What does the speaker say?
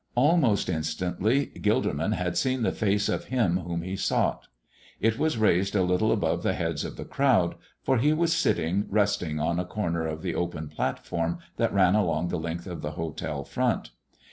Almost instantly Gilderman had seen the face of Him whom he sought. It was raised a little above the heads of the crowd, for He was sitting resting on the corner of the open platform that ran along the length of the hotel front.